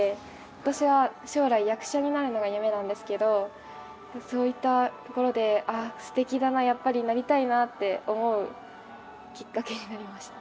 私は将来役者になるのが夢なんですけどそういったところで素敵だなやっぱりなりたいなって思うきっかけになりました。